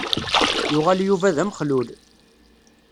Yuɣal Yuba d amexlul.